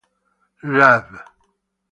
Rav.. v.